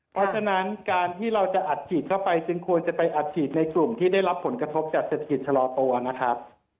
เพราะฉะนั้นการที่เราจะอัดฉีดเข้าไปจึงควรจะไปอัดฉีดในกลุ่มที่ได้รับผลกระทบจากเศรษฐกิจชะลอตัวนะครับ